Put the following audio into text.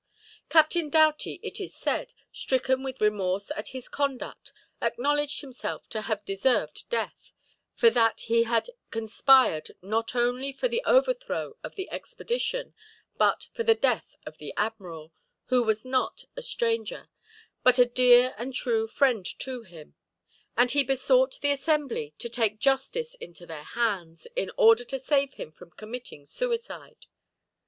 Captain Doughty, it is said, stricken with remorse at his conduct, acknowledged himself to have deserved death; for that he had conspired not only for the overthrow of the expedition, but for the death of the admiral, who was not a stranger, but a dear and true friend to him; and he besought the assembly to take justice into their hands, in order to save him from committing suicide.